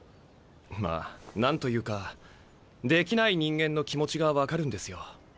まあ何と言うかできない人間の気持ちが分かるんですよ。